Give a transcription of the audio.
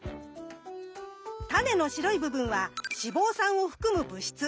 タネの白い部分は脂肪酸を含む物質。